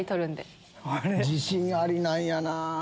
自信ありなんやなぁ。